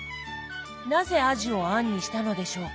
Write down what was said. なぜあじを餡にしたのでしょうか？